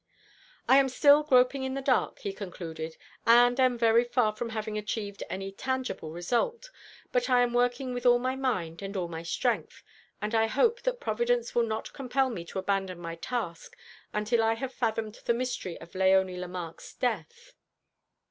"I am still groping in the dark," he concluded, "and am very far from having achieved any tangible result; but I am working with all my mind and all my strength, and I hope that Providence will not compel me to abandon my task until I have fathomed the mystery of Léonie Lemarque's death."